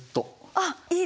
あっいい！